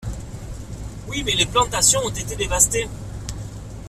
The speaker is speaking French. Oui, mais les plantations ont été dévastées.